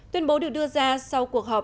tuyên bố được đưa ra sau cuộc họp